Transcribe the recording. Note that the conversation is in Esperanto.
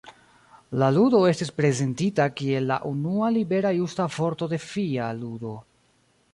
La ludo estis prezentita kiel la unua libera justa vorto-defia ludo.